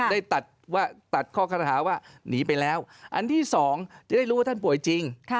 ได้ตัดข้อคารหาว่าหนีไปแล้วอันที่๒จะได้รู้ว่าท่านป่วยจริง